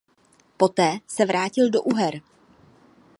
Poté se vrátil do Uher.